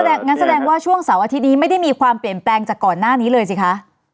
งั้นแสดงว่าช่วงเสาร์อาทิตย์นี้ไม่ได้มีความเปลี่ยนแปลงจากก่อนหน้านี้เลยสิคะ